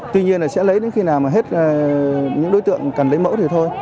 tuy nhiên là sẽ lấy những khi nào mà hết những đối tượng cần lấy mẫu thì thôi